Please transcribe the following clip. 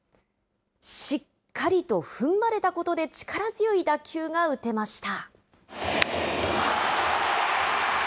しっかりとふんばれたことで力強い打球が打てました。